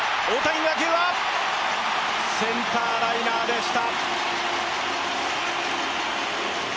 打球はセンターライナーでした。